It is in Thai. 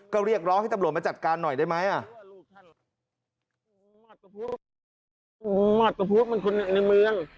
ก็เรียกร้องให้ตำรวจมาจัดการหน่อยได้ไหมอ่ะ